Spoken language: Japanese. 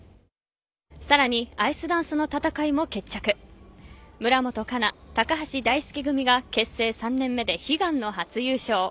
さらにアイスダンスの戦いも決着村元哉中、高橋大輔組が結成３年目で悲願の初優勝。